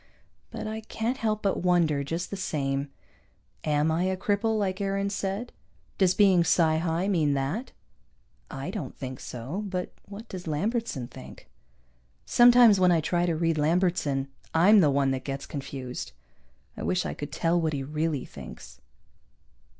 But I can't help but wonder, just the same. Am I a cripple like Aarons said? Does being psi high mean that? I don't think so, but what does Lambertson think? Sometimes when I try to read Lambertson I'm the one that gets confused. I wish I could tell what he really thinks.